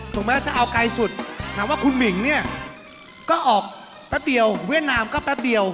แม้ว่าจะเอาไกลสุดถามว่าคุณหมิงเนี่ยก็ออกแป๊บเดียวเวียดนามก็แป๊บเดียว